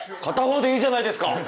片方でいいじゃないですか。